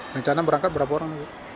rencana berangkat berapa orang